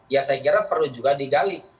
ya saya kira perlu juga digali